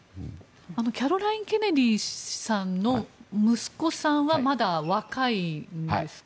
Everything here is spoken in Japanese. キャロライン・ケネディさんの息子さんはまだ若いんですか？